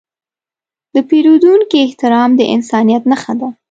د پیرودونکي احترام د انسانیت نښه ده.